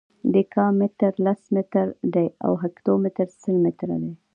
دیکا متر لس متره دی او هکتو متر سل متره دی.